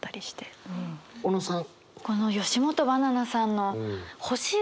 小野さん。